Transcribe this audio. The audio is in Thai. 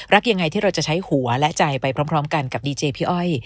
รักอย่างไรที่เราจะใช้หัวและใจไปพร้อมพร้อมกันกับดีเจพี่อ้อย